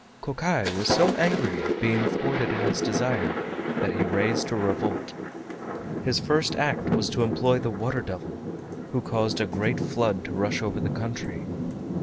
Kokai was so angry at being thwarted in his desire that he raised a revolt. His first act was to employ the Water Devil, who caused a great flood to rush over the country.